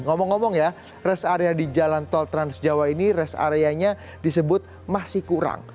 ngomong ngomong ya rest area di jalan tol trans jawa ini rest areanya disebut masih kurang